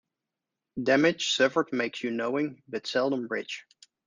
Damage suffered makes you knowing, but seldom rich.